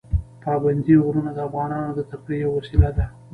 پابندی غرونه د افغانانو د تفریح یوه وسیله ده.